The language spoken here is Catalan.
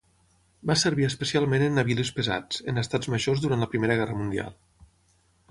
Va servir especialment en navilis pesats, en estats majors durant la Primera Guerra Mundial.